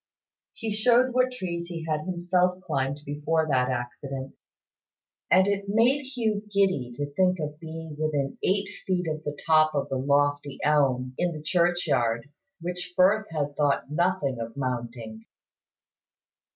He showed what trees he had himself climbed before that accident; and it made Hugh giddy to think of being within eight feet of the top of the lofty elm in the churchyard, which Firth had thought nothing of mounting.